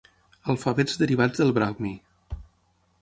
Alfabets derivats del Brahmi.